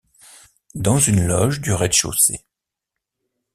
dans une loge du rez-de-chaussée.